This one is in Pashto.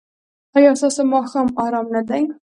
ایا ستاسو ماښام ارام نه دی؟